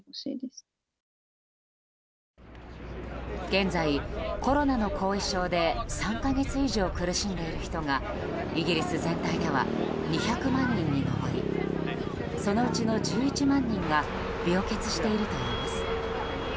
現在、コロナの後遺症で３か月以上苦しんでいる人がイギリス全体では２００万人に上りそのうちの１１万人が病欠しているといいます。